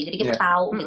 jadi kita tau